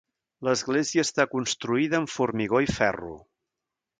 L'església està construïda amb formigó i ferro.